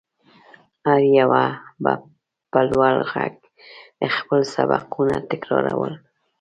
هر يوه به په لوړ غږ خپل سبقونه تکرارول.